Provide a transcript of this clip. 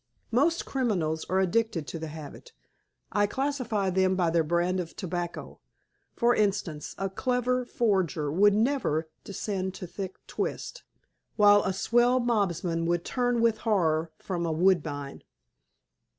"Most criminals are addicted to the habit. I classify them by their brand of tobacco. For instance, a clever forger would never descend to thick twist, while a swell mobsman would turn with horror from a woodbine."